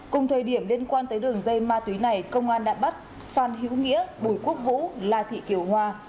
cùng thời điểm liên quan tới đường dây ma túy này công an đã bắt phan hiếu nghĩa bùi quốc vũ la thị kiều hoa